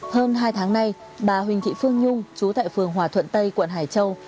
hơn hai tháng nay bà huỳnh thị phương nhung chú tại phường hòa thuận tây quận hải châu